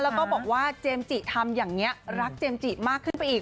แล้วก็บอกว่าเจมส์จิทำอย่างนี้รักเจมส์จิมากขึ้นไปอีก